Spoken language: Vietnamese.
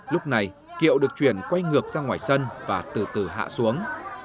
lúc này kiệu được chuyển quay ngược ra ngoài sân và từ từ hạ xuống